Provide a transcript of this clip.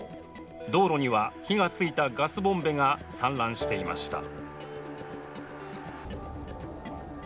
道路には火がついたガスボンベが散乱していました。